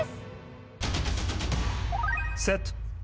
セット！